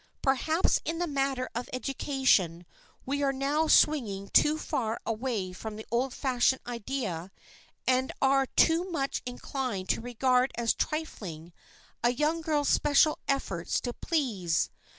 Perhaps in the matter of education we are now swinging too far away from the old fashioned ideal and are too much inclined to regard as trifling a young girl's special efforts to please.